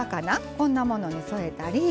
こんなものに添えたり。